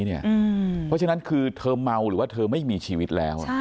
เพราะฉะนั้นคือเธอเมาหรือว่าเธอไม่มีชีวิตแล้ว